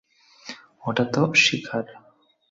ওটা তোর শিকার।